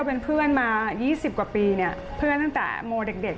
เพื่อนตั้งแต่โมเด็ก